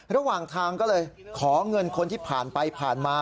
ระหว่างทางก็เลยขอเงินคนที่ผ่านไปผ่านมา